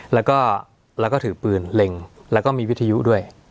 แล้วก็ถือปืนเล็งแล้วก็มีวิทยุด้วย